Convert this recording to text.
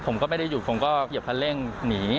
ผมก็ไม่ได้หยุดผมก็เหยียบคันเร่งหนี